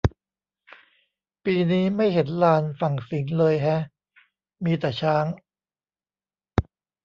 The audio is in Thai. ปีนี้ไม่เห็นลานฝั่งสิงห์เลยแฮะ มีแต่ช้าง